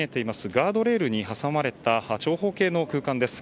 ガードレールに挟まれた長方形の空間です。